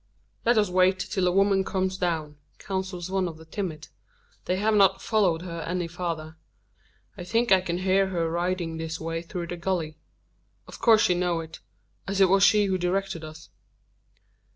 "Let us wait till the woman comes down," counsels one of the timid. "They have not followed her any farther. I think I can hear her riding this way through the gulley. Of course she knows it as it was she who directed us."